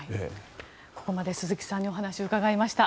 ここまで鈴木さんにお話をお伺いしました。